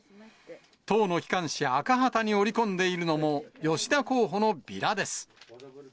党の機関紙、赤旗に折り込んでいるのも吉田候補のビラです。